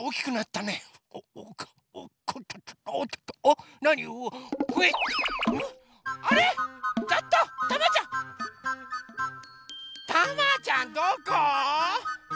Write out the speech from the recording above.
たまちゃんどこ？